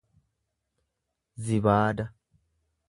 zibaada